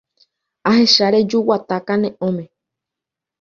Ahecha reju guata kane'õme.